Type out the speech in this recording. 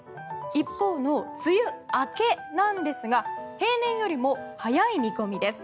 一方の梅雨明けなんですが平年よりも早い見込みです。